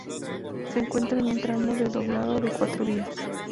Se encuentra en un tramo desdoblado de cuatro vías.